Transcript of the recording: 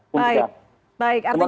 baik baik artinya